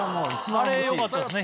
あれ良かったですね